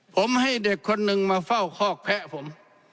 ผมให้เด็กคนนึงมาเฝ้าคอกแพะผม